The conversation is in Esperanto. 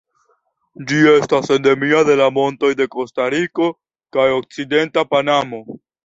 Ĝi estas endemia de la montoj de Kostariko kaj okcidenta Panamo.